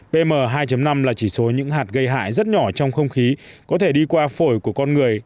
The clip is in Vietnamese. pm hai năm là chỉ số những hạt gây hại rất nhỏ trong không khí có thể đi qua phổi của con người